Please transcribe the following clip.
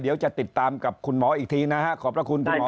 เดี๋ยวจะติดตามกับคุณหมออีกทีนะฮะขอบพระคุณคุณหมอ